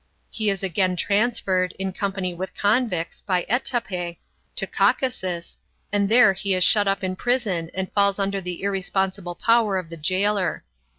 He is again transferred, in company with convicts, by étape, to Caucasus, and there he is shut up in prison and falls under the irresponsible power of the jailer.